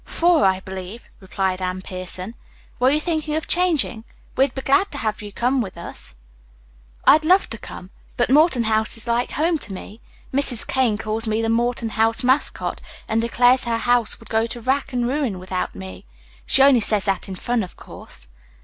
"Four, I believe," replied Anne Pierson. "Were you thinking of changing? We'd be glad to have you with us." "I'd love to come, but Morton House is like home to me. Mrs. Kane calls me the Morton House Mascot, and declares her house would go to rack and ruin without me. She only says that in fun, of course."